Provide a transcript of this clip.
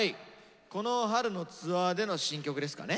この春のツアーでの新曲ですかね。